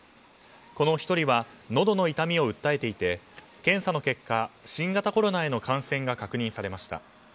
この１人はのどの痛みを訴えていて検査の結果新型コロナへの感染が確認されました。